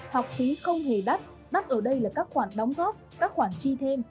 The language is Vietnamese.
học phí không hề đắt đắt ở đây là các khoản đóng góp các khoản chi thêm